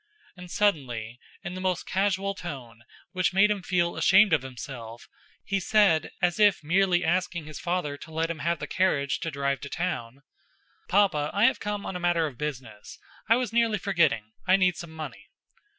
And suddenly, in the most casual tone, which made him feel ashamed of himself, he said, as if merely asking his father to let him have the carriage to drive to town: "Papa, I have come on a matter of business. I was nearly forgetting. I need some money."